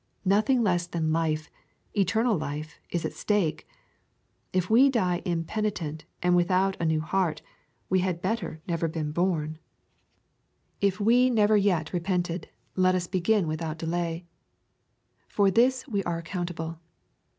Nothing less than life — eternal life — is at stake ! If we die impenitent, and without a new heart, we had better never have been born. LUKE, CHAP. XIII. Ill Tf we never yet repented, let us begin without delay. For this we aie accountable.